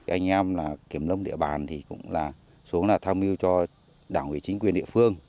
anh em kiểm lông địa bàn thì cũng là số tham mưu cho đảng quỹ chính quyền địa phương